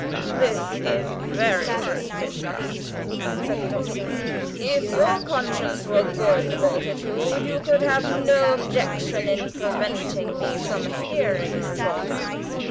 "This is very suspicious," said the Doctor; "if your conscience were good, Bultitude, you could have no object in preventing me from hearing Chawner.